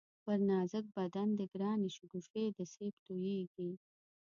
پر نازک بدن دی گرانی شگوفې د سېب تویېږی